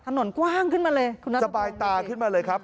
ถนนกว้างขึ้นมาเลยสบายตาขึ้นมาเลยครับ